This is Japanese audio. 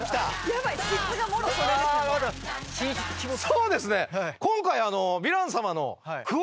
そうですね。